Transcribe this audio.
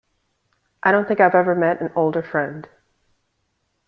I don't think I've ever met an older friend.